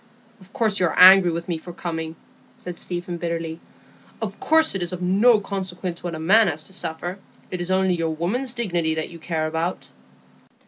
"Of course you are angry with me for coming," said Stephen, bitterly. "Of course it is of no consequence what a man has to suffer; it is only your woman's dignity that you care about."